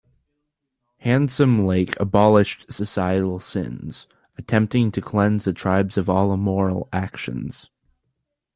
Handsome Lake abolished societal sins, attempting to cleanse the tribes of all immoral actions.